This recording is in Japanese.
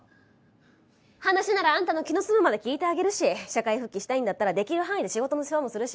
話ならあんたの気の済むまで聞いてあげるし社会復帰したいんだったらできる範囲で仕事の世話もするし。